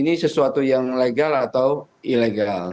ini sesuatu yang legal atau ilegal